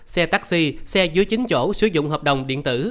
xe taxi xe dưới chín chỗ sử dụng hợp đồng điện tử